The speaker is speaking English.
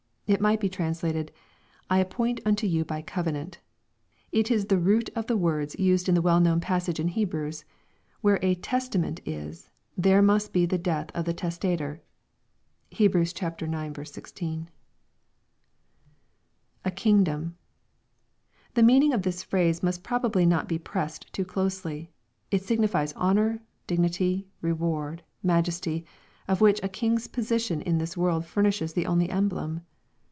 It might be translated, " I appoint unto you by covenant." It is the root of the words used in the well known passage in Hebrews :*' Where a testament is, there must be the death of the testoitor" (Heb. ix. 16.) [A kingdom.] The meaning of this phrase must probably not be pressed too closely. It signifies honor, dignity, reward, majesty, of which a king's position in this world furnishes the only emblem.